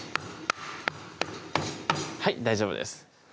はい大丈夫です